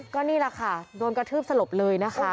ก็นี่แหละค่ะโดนกระทืบสลบเลยนะคะ